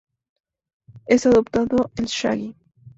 Es apodado "El Shaggy".